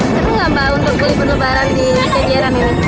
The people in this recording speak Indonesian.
seru nggak pak untuk beli berlebaran di kejeran ini